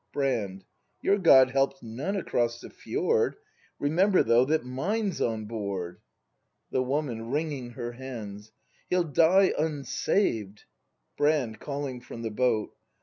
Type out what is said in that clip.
Brand. Your God helps none across the fjord; Remember, though, that mine's on board! The Woman. [Wringing her hands.] He'll die unsaved ! Brand. [Calling from the hoat!